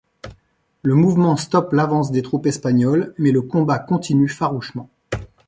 Le mouvement stoppe l'avance des troupes espagnoles, mais le combat continue farouchement.